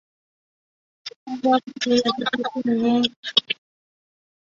此商标同时也是迪士尼首次将各部不同作品的人物集结起来并推出相关的商品。